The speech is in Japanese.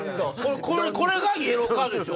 これがイエローカードですよ。